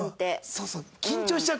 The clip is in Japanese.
そうそう。